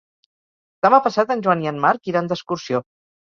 Demà passat en Joan i en Marc iran d'excursió.